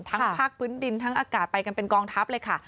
ภาคพื้นดินทั้งอากาศไปกันเป็นกองทัพเลยค่ะ